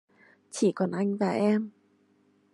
Chỉ còn anh và em